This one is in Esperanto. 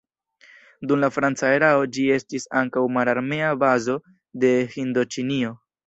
Dum la franca erao ĝi estis ankaŭ mararmea bazo de Hindoĉinio.